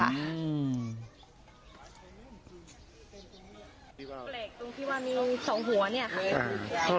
ตรงที่ว่ามี๒หัวนี่ค่ะ